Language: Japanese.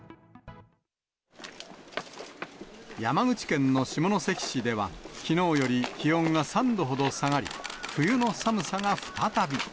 山口県の下関市では、きのうより気温が３度ほど下がり、冬の寒さが再び。